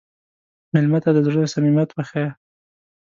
مېلمه ته د زړه صمیمیت وښیه.